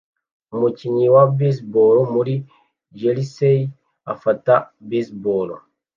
Umukinnyi wa Baseball muri jersey afata baseball